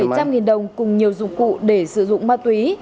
các nghiện đồng cùng nhiều dụng cụ để sử dụng ma túy